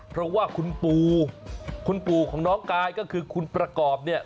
เพราะว่าคุณปู่คุณปู่ของน้องกายก็คือคุณประกอบเนี่ย